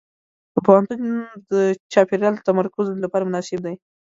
د پوهنتون چاپېریال د تمرکز لپاره مناسب دی.